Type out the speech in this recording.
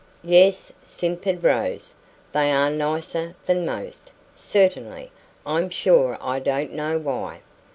"Yes," simpered Rose. "They ARE nicer than most, certainly I'm sure I don't know why."